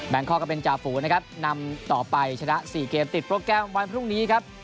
งคอกก็เป็นจ่าฝูนะครับนำต่อไปชนะ๔เกมติดโปรแกรมวันพรุ่งนี้ครับ